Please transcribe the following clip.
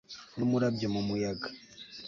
n'umurabyo, mu muyaga